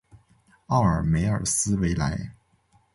奥尔梅尔斯维莱。